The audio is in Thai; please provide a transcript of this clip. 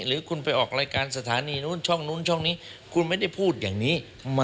หรือคุณไปออกรายการสถานีนู้นช่องนู้นช่องนี้คุณไม่ได้พูดอย่างนี้